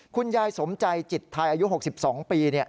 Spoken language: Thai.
คุณยายสมใจจิตทายอายุ๖๒ปีเนี่ย